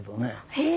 へえ！